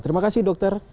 terima kasih dokter